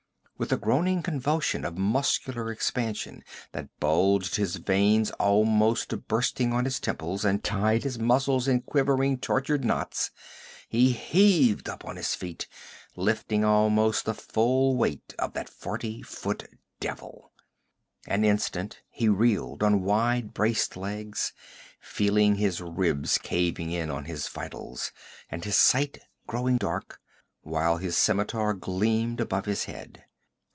With a groaning convulsion of muscular expansion that bulged his veins almost to bursting on his temples and tied his muscles in quivering, tortured knots, he heaved up on his feet, lifting almost the full weight of that forty foot devil. An instant he reeled on wide braced legs, feeling his ribs caving in on his vitals and his sight growing dark, while his scimitar gleamed above his head.